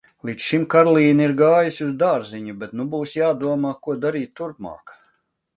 Līdz šim Karlīne ir gājusi uz dārziņu, bet nu būs jādomā, ko darīt turpmāk.